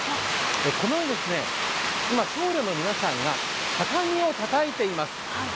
この、僧侶の皆さんが畳をたたいています。